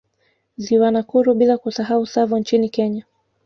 Ziwa Nakuru bila kusahau Tsavo nchini Kenya